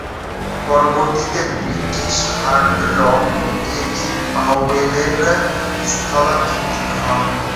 পরবর্তীতে British hard rock, Cozy পাওয়েলের স্থলাভিষিক্ত হন।